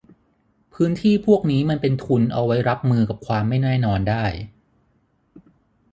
พื้นที่พวกนี้มันเป็นทุนเอาไว้รับมือกับความไม่แน่นอนได้